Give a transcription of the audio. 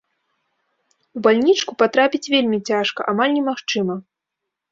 У бальнічку патрапіць вельмі цяжка, амаль немагчыма.